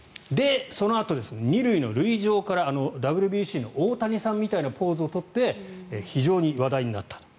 そのあと２塁の塁上からＷＢＣの大谷さんみたいなポーズを取って非常に話題になったと。